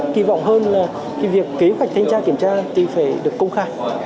kỳ vọng hơn là cái việc kế hoạch thanh tra kiểm tra thì phải được công khai